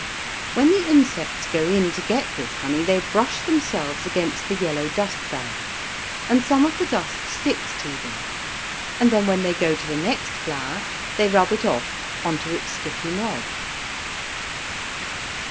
When the insects go in to get this honey, they brush themselves against the yellow dust bags, and some of the dust sticks to them, and then when they go to the next flower they rub it off on to its sticky knob.